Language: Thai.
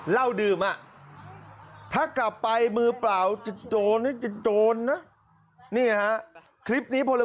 เหล้าดื่มอ่ะถ้ากลับไปมือเปล่าจะโจรนะจะโจรนะนี่ฮะคลิปนี้พล